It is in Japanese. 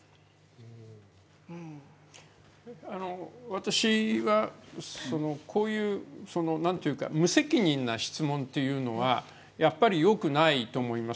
私はそのこういうそのなんていうか無責任な質問っていうのはやっぱりよくないと思います